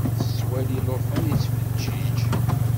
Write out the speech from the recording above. Tettwali llufan yettfeǧiǧ.